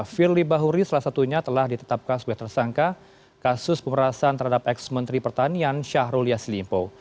firly bahuri salah satunya telah ditetapkan sebagai tersangka kasus pemerasan terhadap ex menteri pertanian syahrul yassin limpo